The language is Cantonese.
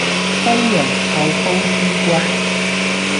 西洋菜煲豬骨